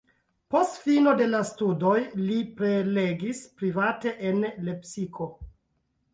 Post fino de la studoj li prelegis private en Lepsiko.